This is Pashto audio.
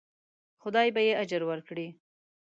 خدای به یې اجر ورکړي.